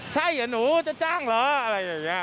ใช่เหรอหนูจะจ้างเหรออะไรอย่างนี้